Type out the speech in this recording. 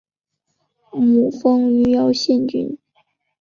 母封余姚县君。